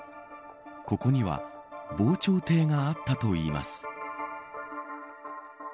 ここには防潮堤があったといいます。